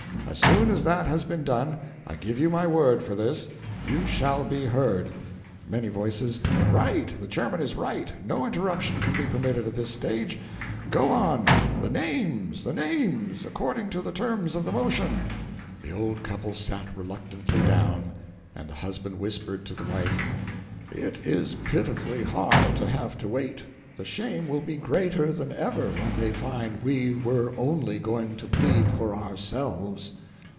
As soon as that has been done I give you my word for this you shall be heard." Many voices. "Right! the Chair is right no interruption can be permitted at this stage! Go on! the names! the names! according to the terms of the motion!" The old couple sat reluctantly down, and the husband whispered to the wife, "It is pitifully hard to have to wait; the shame will be greater than ever when they find we were only going to plead for OURSELVES."